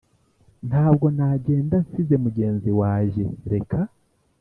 ntabwo nagenda nsize mugenzi wajye reka